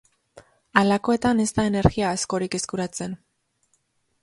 Halakoetan ez da energia askorik eskuratzen.